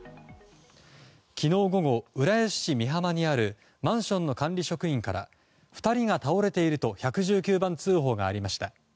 昨日午後、浦安市美浜にあるマンションの管理職員から２人が倒れていると１１９番通報がありました。